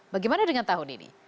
bagaimana dengan tahun ini